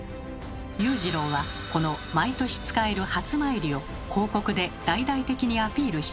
勇次郎はこの毎年使える「初詣」を広告で大々的にアピールしたのです。